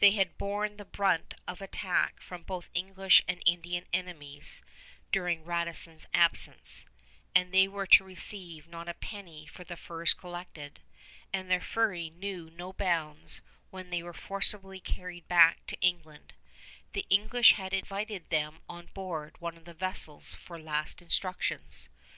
They had borne the brunt of attack from both English and Indian enemies during Radisson's absence, and they were to receive not a penny for the furs collected. And their fury knew no bounds when they were forcibly carried back to England. The English had invited them on board one of the vessels for last instructions.